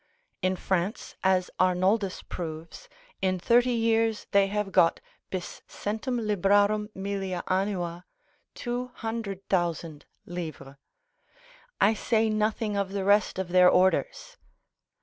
In France, as Arnoldus proves, in thirty years they have got bis centum librarum millia annua, 200,000_l_. I say nothing of the rest of their orders.